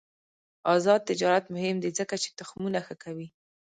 آزاد تجارت مهم دی ځکه چې تخمونه ښه کوي.